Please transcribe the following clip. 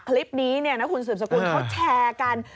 คลิปนี้คุณศึนสกุลเขาแชร์กัน